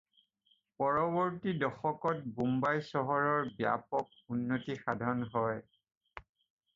পৰৱৰ্তী দশকত বোম্বাই চহৰৰ ব্যাপক উন্নতি সাধন হয়।